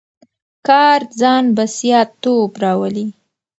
کار ځان بسیا توب راولي.